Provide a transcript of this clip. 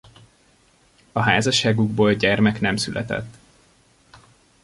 A házasságukból gyermek nem született.